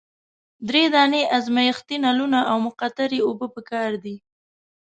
دری دانې ازمیښتي نلونه او مقطرې اوبه پکار دي.